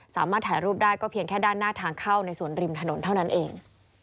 สามารถถ่ายรูปได้ก็เพียงแค่ด้านหน้าทางเข้าในสวนริมถนนเท่านั้นเอง